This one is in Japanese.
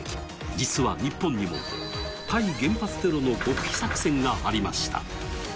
実は日本にも対原発テロの極秘作戦がありました。